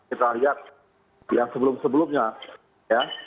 kita lihat yang sebelum sebelumnya ya